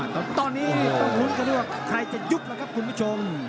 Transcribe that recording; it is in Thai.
ตอนนี้ต้องลุ้นกันด้วยว่าใครจะยุบแล้วครับคุณผู้ชม